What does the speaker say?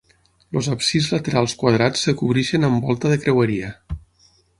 Els absis laterals quadrats es cobreixen amb volta de creueria.